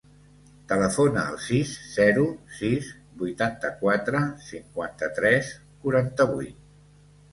Telefona al sis, zero, sis, vuitanta-quatre, cinquanta-tres, quaranta-vuit.